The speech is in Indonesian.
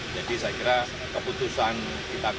jadi saya kira keputusan kita kembali